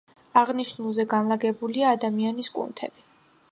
აღნიშნულზე განლაგებულია ადამიანის კუნთები.